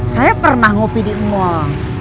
saya pernah ngopi di mall